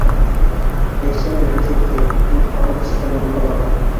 Ләйсән дөрөҫ әйтә: мин алып киттем уны ҡалаға.